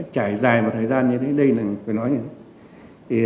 trải dài một thời gian như thế này